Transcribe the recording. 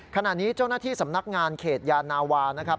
ขณะนี้เจ้าหน้าที่สำนักงานเขตยานาวานะครับ